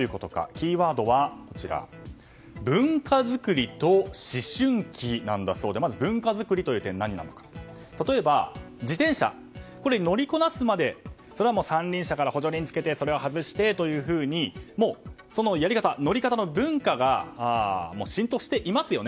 キーワードは文化づくりと思春期なんだそうでまず、文化づくりという点は例えば、自転車乗りこなすまでそれはもう、三輪車から補助輪つけてそれを外してというふうにそのやり方、乗り方の文化が浸透していますよね